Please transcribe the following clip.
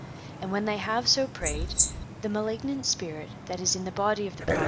And when they have so prayed, the malignant spirit that is in the body of the pros 54 MARCO POLO.